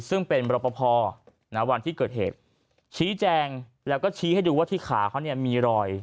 ซึ่งเป็นรปภวันที่เกิดเหตุชี้แจงแล้วก็ชี้ให้ดูว่าที่ขาเขาเนี่ยมีรอย